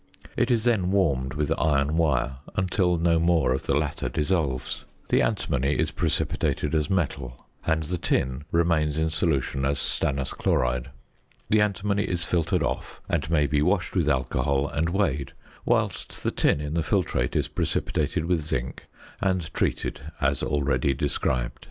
It is then warmed with iron wire until no more of the latter dissolves. The antimony is precipitated as metal, and the tin remains in solution as stannous chloride. The antimony is filtered off, and may be washed with alcohol, and weighed, whilst the tin in the filtrate is precipitated with zinc, and treated as already described.